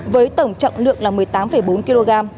với tổng trọng lượng là một mươi tám bốn kg